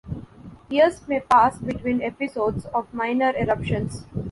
Years may pass between episodes of minor eruptions.